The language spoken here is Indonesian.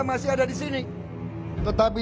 masih ada di sini tetapi